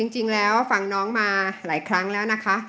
จริงแล้วฟังน้องมาหลายครั้งแล้วนะคะ